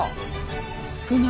少ない。